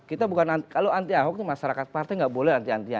kalau anti ahok itu masyarakat partai tidak boleh anti antian